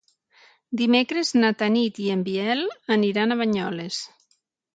Dimecres na Tanit i en Biel aniran a Banyoles.